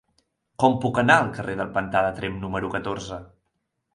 Com puc anar al carrer del Pantà de Tremp número catorze?